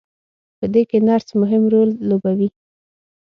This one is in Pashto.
په دې کې نرس مهم رول لوبوي.